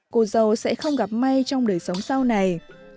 cô dâu sẽ không gặp may trong đời sống sau này